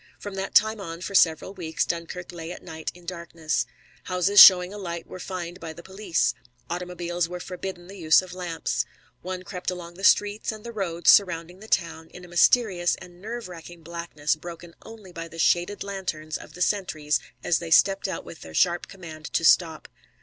From that time on for several weeks Dunkirk lay at night in darkness. Houses showing a light were fined by the police. Automobiles were forbidden the use of lamps. One crept along the streets and the roads surrounding the town in a mysterious and nerve racking blackness broken only by the shaded lanterns of the sentries as they stepped out with their sharp command to stop.